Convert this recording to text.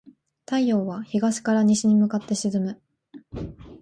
太陽は東から西に向かって沈む。